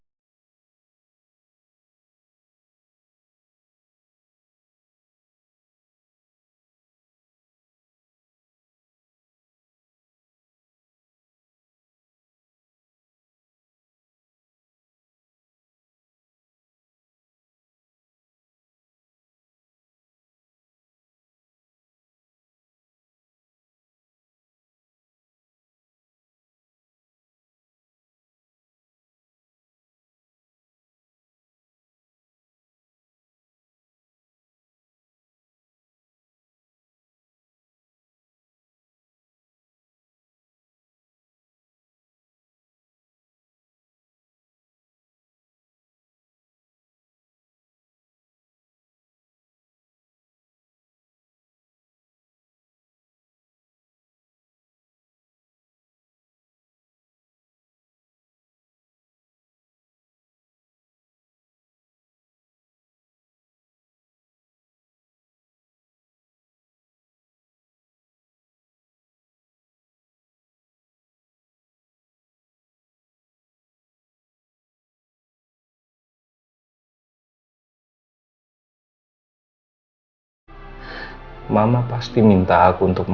nah kau masih bisa tante